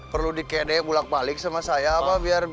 perlu di kede bulak balik sama saya apa biar